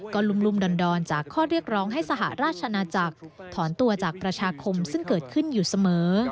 ก็ลุ่มดอนจากข้อเรียกร้องให้สหราชนาจักรถอนตัวจากประชาคมซึ่งเกิดขึ้นอยู่เสมอ